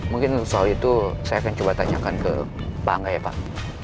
mungkin soal itu saya akan coba tanyakan ke pak angga ya pak